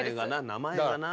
名前がな。